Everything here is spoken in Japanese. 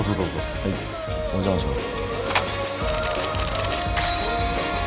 はいお邪魔します。